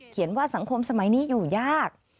ว่าสังคมสมัยนี้อยู่ยาก